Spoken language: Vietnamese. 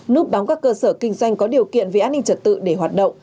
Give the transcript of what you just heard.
núp bóng các cơ sở kinh doanh có điều kiện về an ninh trật tự để hoạt động